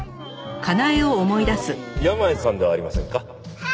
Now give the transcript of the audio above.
山家さんではありませんか？は。